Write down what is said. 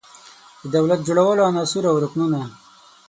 د دولت جوړولو عناصر او رکنونه